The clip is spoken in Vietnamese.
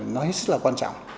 rất quan trọng